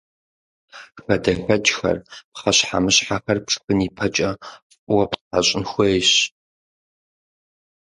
ХадэхэкӀхэр, пхъэщхьэмыщхьэхэр пшхын ипэкӀэ фӀыуэ птхьэщӀын хуейщ.